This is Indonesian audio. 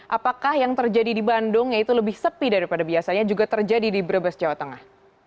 apakah yang terjadi di bandung yaitu lebih sepi daripada biasanya juga terjadi di brebes jawa tengah